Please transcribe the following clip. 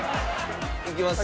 いきますよ。